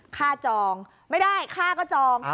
จองไม่ได้ค่าก็จอง